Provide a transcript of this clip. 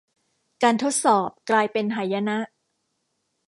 การทดสอบกลายเป็นหายนะ